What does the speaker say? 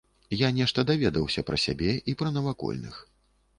Я нешта даведаўся пра сябе і пра навакольных.